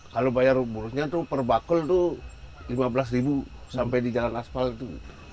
kalau bayar buruhnya tuh per bakul tuh lima belas sampai di jalan asfal gitu